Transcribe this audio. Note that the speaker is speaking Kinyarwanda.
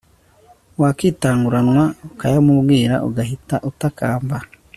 wakwitanguranwa ukayamubwira ugahita utakamba